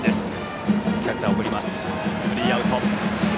スリーアウト。